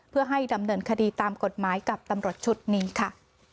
เพื่อให้ดำเนินคดีตามกฎหมายกับตำรวจชุดนี้ค่ะ